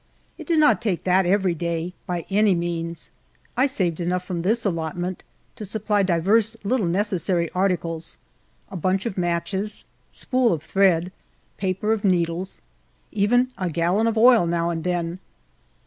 It did not take that every day, by any means. I saved enough from this allotment to supply divers little necessary articles— a bunch of matches, spool ot thread, paper of needles — even a gallon of oil now and then.